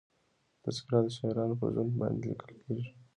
تذکره د شاعرانو پر ژوند باندي لیکل کېږي.